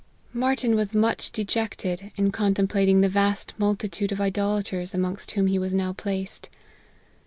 MARTYN was much dejected, in contemplating the vast multitude of idolaters amongst whom he was now placed.